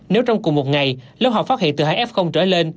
nếu trong cùng một ngày lớp học phát hiện từ hai f trở lên